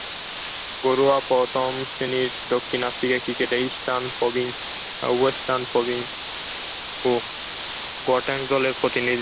ঘরোয়া প্রথম-শ্রেণীর দক্ষিণ আফ্রিকান ক্রিকেটে ইস্টার্ন প্রভিন্স, ওয়েস্টার্ন প্রভিন্স ও গটেং দলের প্রতিনিধিত্ব করেছেন।